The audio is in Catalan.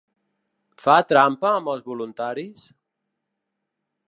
Fa trampa amb els voluntaris?